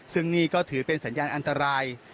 ซึ่งนี่ก็ถือเป็นสัญญาณอันตราย